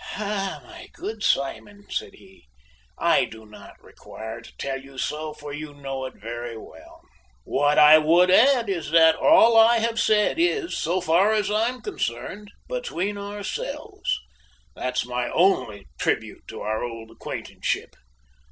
"My good Simon," said he, "I do not require to tell you so, for you know it very well. What I would add is that all I have said is, so far as I am concerned, between ourselves; that's my only tribute to our old acquaintanceship.